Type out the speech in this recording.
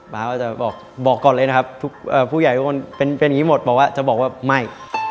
ป๊าจะบอกบอกก่อนเลยนะครับผู้ใหญ่ทุกคนเป็นอย่างนี้หมดจะบอกว่าไม่